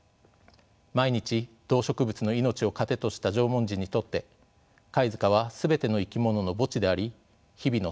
毎日動植物の命を糧とした縄文人にとって貝塚は全ての生き物の墓地であり日々の祭祀場でした。